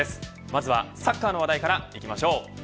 まずは、サッカーの話題からいきましょう。